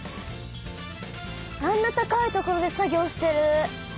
あんな高い所で作業してる。